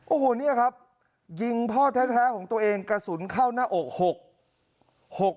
โอ้โหเนี่ยครับยิงพ่อแท้ของตัวเองกระสุนเข้าหน้าอก